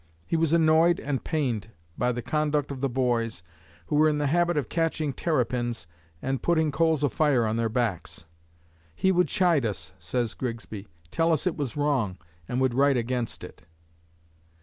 He was annoyed and pained by the conduct of the boys who were in the habit of catching terrapins and putting coals of fire on their backs. "He would chide us," says Grigsby, "tell us it was wrong, and would write against it."